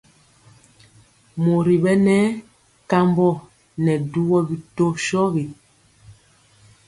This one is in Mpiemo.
Mori bɛnɛ kambɔ ŋɛɛ dubɔ bi tɔ shogi.